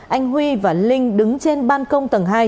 anh huy và linh đứng trên ban công tầng hai